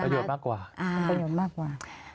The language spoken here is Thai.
ประโยชน์มากกว่า